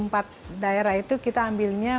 dari dua puluh empat daerah itu kita ambilnya empat belas